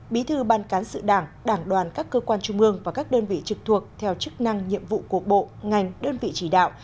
bí thư ban cán sự đảng đảng đoàn các cơ quan trung ương và các đơn vị trực thuộc theo chức năng nhiệm vụ của bộ ngành đơn vị chỉ đạo